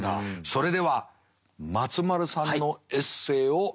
それでは松丸さんのエッセーを見させていただきます。